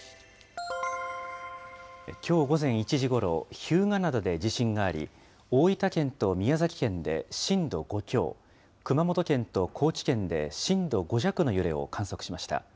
きょう午前１時ごろ、日向灘で地震があり、大分県と宮崎県で震度５強、熊本県と高知県で震度５弱の揺れを観測しました。